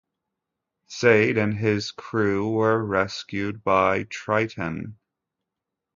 Sade and his crew were rescued by "Triton".